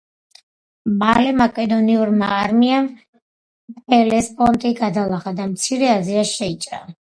მალე მაკედონურმა არმიამ ჰელესპონტი გადალახა და მცირე აზიაში შეიჭრა.